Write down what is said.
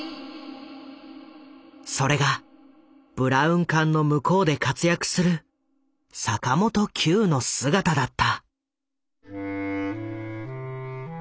それがブラウン管の向こうで活躍する坂本九の姿だった。